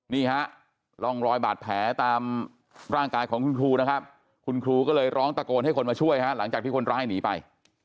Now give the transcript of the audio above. นี่ฮะร่องรอยบาดแผลตามร่างกายของคุณครูนะครับคุณครูก็เลยร้องตะโกนให้คนมาช่วยฮะหลังจากที่คนร้ายหนีไป